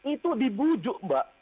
itu dibujuk mbak